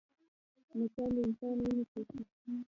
مچان د انسان وینه چوشي